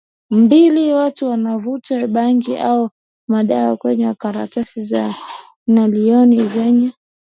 mbili watu wanavuta bangi au madawa kwenye karatasi za nailoni zenye